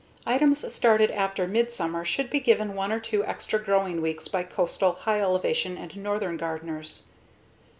Items started after midsummer should be given one or two extra growing weeks by coastal, high elevation, and northern gardeners.